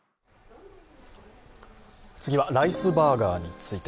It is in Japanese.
次はライスバーガーについて。